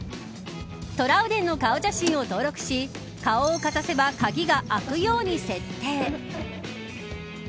トラウデンの顔写真を登録し顔をかざせば鍵が開くように設定。